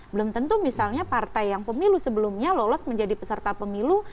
belum tentu misalnya partai yang pemilu sebelumnya lolos menjadi peserta pemilu